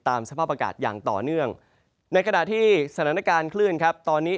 สภาพอากาศอย่างต่อเนื่องในขณะที่สถานการณ์คลื่นครับตอนนี้